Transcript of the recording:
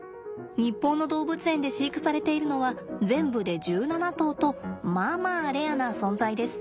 日本の動物園で飼育されているのは全部で１７頭とまあまあレアな存在です。